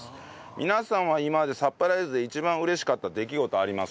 皆さんは今までサプライズで一番嬉しかった出来事はありますか？